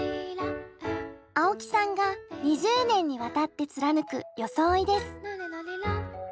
青木さんが２０年にわたって貫くよそおいです。